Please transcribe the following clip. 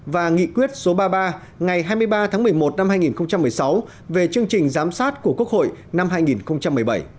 và nghị quyết số ba mươi ba ngày hai mươi ba tháng một mươi một năm hai nghìn một mươi sáu về chương trình giám sát của quốc hội năm hai nghìn một mươi bảy